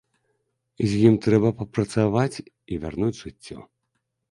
З ім трэба папрацаваць і вярнуць жыццё.